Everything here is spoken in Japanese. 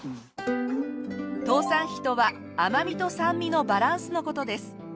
糖酸比とは甘味と酸味のバランスの事です。